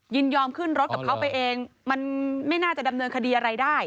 ยินยอมขึ้นรถกับเขาไปเองมันไม่น่าจะดำเนินคดีอะไรได้